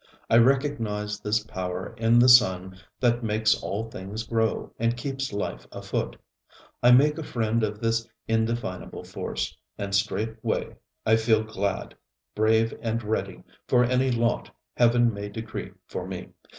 I recognize this power in the sun that makes all things grow and keeps life afoot. I make a friend of this indefinable force, and straightway I feel glad, brave and ready for any lot Heaven may decree for me.